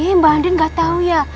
eh mbak andin gak tau ya